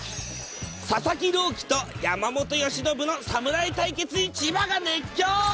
佐々木朗希と山本由伸の侍対決に千葉が熱狂！